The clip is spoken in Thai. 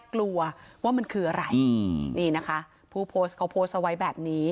กลัวว่ามันคืออะไรนี่นะคะผู้โพสต์เขาโพสต์เอาไว้แบบนี้